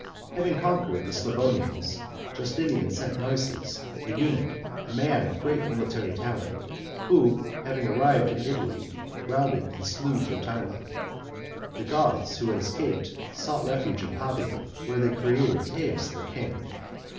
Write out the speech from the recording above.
Having conquered the Slavonians, Justinian sent Narses, a eunuch, a man of great military talent, who, having arrived in Italy, routed and slew Totila. The Goths who escaped sought refuge in Pavia, where they created Teias their king.